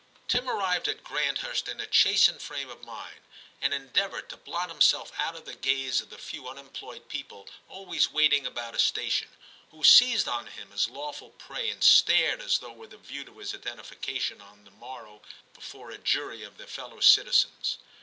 Tim arrived at Granthurst in a chastened frame of mind, and endeavoured to blot him self out of the gaze of the few unemployed people always waiting about a station, who seized on him as lawful prey, and stared as though with a view to his identification on the morrow before a jury of their fellow citizens.